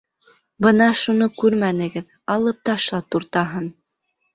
Бына шуны күрмәнегеҙ, Алып ташла туртаһын.